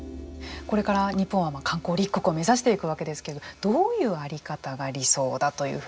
これから日本は観光立国を目指していくわけですけどどういう在り方が理想だというふうに考えてらっしゃいますか？